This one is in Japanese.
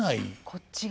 こっちが。